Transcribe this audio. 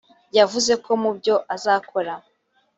yavuze ko mu byo azakora